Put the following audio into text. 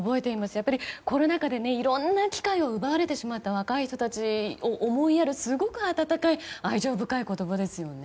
やっぱりコロナ禍でいろんな機会を奪われてしまった若い人たちを思いやるすごく温かい愛情深い言葉ですよね。